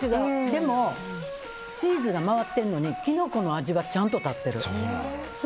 でもチーズが回ってるのにキノコの味はちゃんと立ってる。